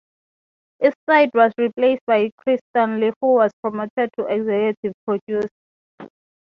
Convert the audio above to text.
East Side was replaced by Chris Stanley who was promoted to Executive Producer.